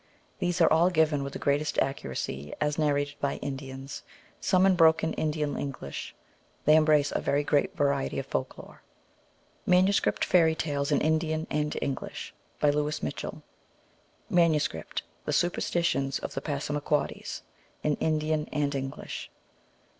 These are all given with the greatest accuracy as narrated by Indians, some in broken Indian English. They embrace a very great variety of folk lore. Manuscript Fairy Tales in Indian and English. By Louis Mitchell. Manuscript : The Superstitions of the Passamaquoddies. In Indian and English.